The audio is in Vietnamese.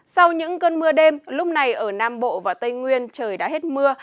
sau những cơn mưa đêm lúc này ở nam bộ và tây nguyên trời đã hết mưa